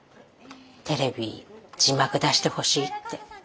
テレビ字幕出してほしいって。